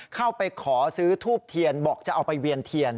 เข้าไปขอซื้อทูบเทียนบอกจะเอาไปเวียนเทียน